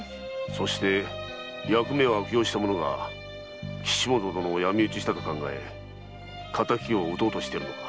そして役目を悪用した者が岸本殿を闇討ちしたと考え敵を討とうとしているのか。